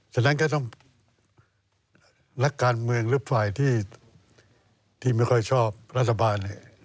ฉะนั้นก็ต้องนักการเมืองหรือฝ่ายที่ไม่ค่อยชอบรัฐบาล